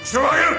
はい！